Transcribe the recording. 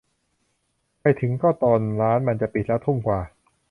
ไปถึงก็ตอนร้านมันจะปิดแล้ว ทุ่มกว่า